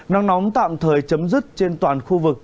nắng nóng tạm thời chấm dứt trên toàn khu vực